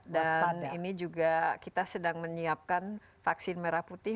ini juga kita sedang menyiapkan vaksin merah putih